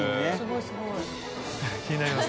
いや気になります。